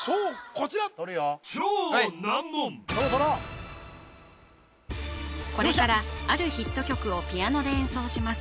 こちらこれからあるヒット曲をピアノで演奏します